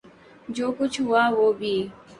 جو کچھ ہوا، وہ بھی